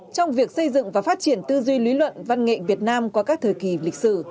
trong việc xây dựng và phát triển tư duy lý luận văn nghệ việt nam qua các thời kỳ lịch sử